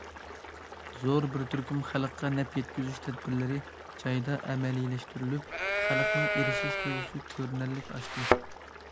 زور بىر تۈركۈم خەلققە نەپ يەتكۈزۈش تەدبىرلىرى جايىدا ئەمەلىيلەشتۈرۈلۈپ، خەلقنىڭ ئېرىشىش تۇيغۇسى كۆرۈنەرلىك ئاشتى.